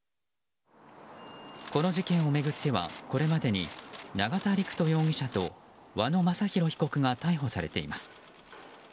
この事件を巡ってはこれまでに永田陸人容疑者と和野正弘被告が逮捕されています。